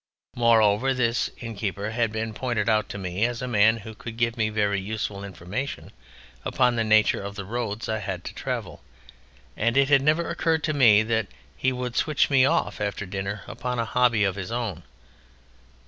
Moreover, this innkeeper had been pointed out to me as a man who could give very useful information upon the nature of the roads I had to travel, and it had never occurred to me that he would switch me off after dinner upon a hobby of his own.